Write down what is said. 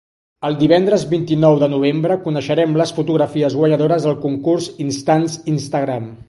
El divendres vint-i-nou de novembre coneixerem les fotografies guanyadores del concurs Instants Instagram.